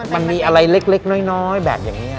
มันมีอะไรเล็กน้อยแบบอย่างนี้